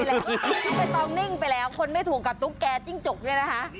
ไม่ต้องนิ่งไปแล้วคนไม่ถูกกับตุ๊กแกจิ้งจกเนี่ยนะคะ